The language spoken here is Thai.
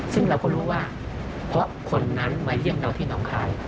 ซึ่งเราก็รู้ว่าเพราะคนนั้นมาเยี่ยมเราที่หนองคาย